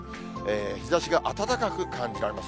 日ざしが暖かく感じられます。